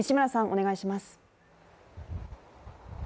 お願いします。